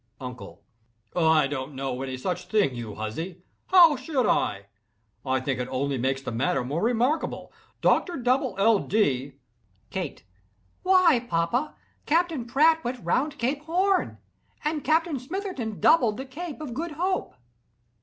UNCLE. "I don't know any such thing, you huzzy! How should I? I think it only makes the matter more remarkable, Doctor Dubble L. Dee—" KATE. "Why, papa, Captain Pratt went round Cape Horn, and Captain Smitherton doubled the Cape of Good Hope."